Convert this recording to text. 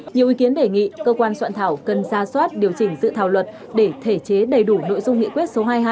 nhiều ý kiến đề nghị cơ quan soạn thảo cần ra soát điều chỉnh dự thảo luật để thể chế đầy đủ nội dung nghị quyết số hai mươi hai